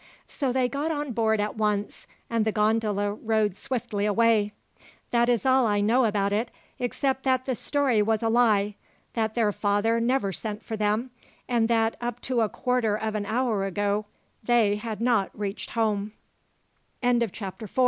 "So they got on board at once, and the gondola rowed swiftly away. That is all I know about it, except that the story was a lie, that their father never sent for them, and that up to a quarter of an hour ago they had not reached home." Chapter 5: Finding A Clue.